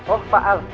oh pak al